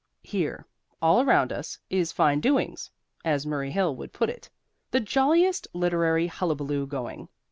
Here, all around us, is fine doings (as Murray Hill would put it), the jolliest literary hullabaloo going.